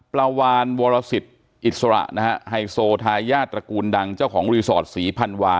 ประวานวรสิตอิสระไฮโซทายาตระกูลดังเจ้าของรีสอร์ตสีพลันวา